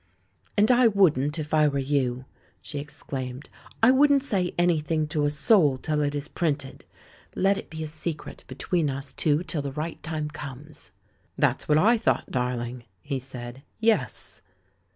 "And I wouldn't, if I were you!" she ex claimed. "I wouldn't say anything to a soul till it is printed. Let it be a secret between us two till the right time comes." "That's what I thought, darling," he said; "yes."